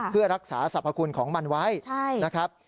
เพื่อรักษาสรรพคุณของมันไว้นะครับ